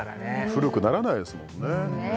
古くならないですもんねねえ